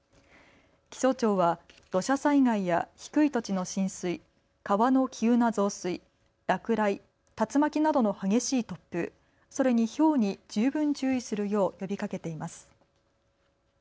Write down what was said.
気象庁は土砂災害や低い土地の浸水、川の急な増水、落雷、竜巻などの激しい突風、それにひょうに十分注意するよう呼びかけています。